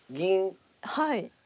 はい。